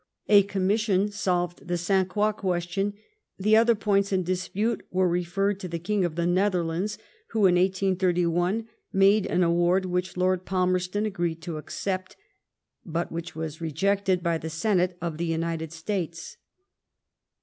A Commission solved the St. Croix question ; the other points in dispute were referred to the King of the Netherlands, who, in 1831, made an award which Lord Palmerston agreed to accept but which was rejected by the Senate of the United States.